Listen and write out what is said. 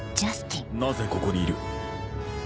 なぜここにいる？